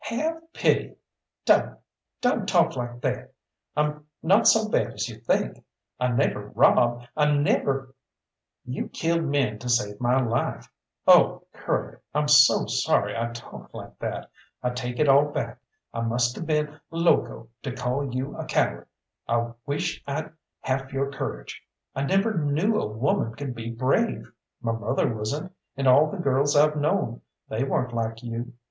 "Have pity! Don't! Don't talk like that I'm not so bad as you think I never robbed I never " "You killed men to save my life. Oh, Curly, I'm so sorry I talked like that I take it all back. I must have been loco to call you a coward I wish I'd half your courage! I never knew a woman could be brave; my mother wasn't, and all the girls I've known they weren't like you.